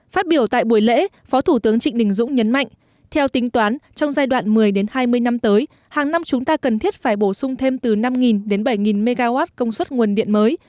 phát biểu tại buổi lễ phó thủ tướng trịnh đình dũng nhấn mạnh theo tính toán trong giai đoạn một mươi hai mươi năm tới hàng năm chúng ta cần thiết phải bổ sung thêm từ năm đến bảy mw công suất nguồn điện mới